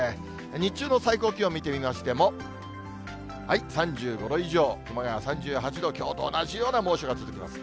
日中の最高気温見てみましても、３５度以上、熊谷３８度、きょうと同じような猛暑が続きます。